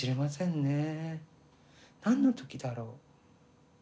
何の時だろう。